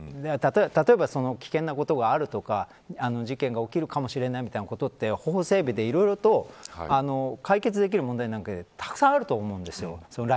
例えば、危険なことがあるとか事件が起きるかもしれないみたいなことって法整備でいろいろと解決できる問題なんかたくさんあると思うんですよ。